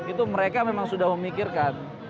itu mereka memang sudah memikirkan